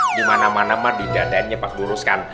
ini mana mana mah didadainnya pak luruskan